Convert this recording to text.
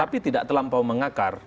tapi tidak terlampau mengakar